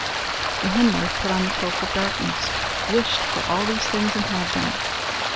The henwife put on the cloak of darkness, wished for all these things, and had them.